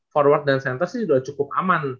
forward dan center sih sudah cukup aman